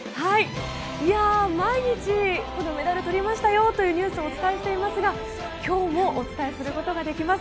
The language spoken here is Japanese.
毎日、このメダルを取りましたよというニュースをお伝えしていますが今日もお伝えすることができます。